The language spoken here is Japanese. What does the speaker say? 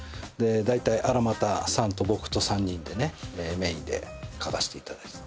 だいたい荒俣さんと僕と３人でねメインで書かしていただいて。